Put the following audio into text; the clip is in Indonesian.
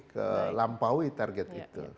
ke lampaui target itu